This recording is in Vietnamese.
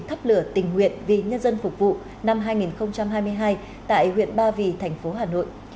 thắp lửa tình nguyện vì nhân dân phục vụ năm hai nghìn hai mươi hai tại huyện ba vì thành phố hà nội